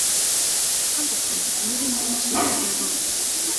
韓国のキム・ジス、白い柔道着。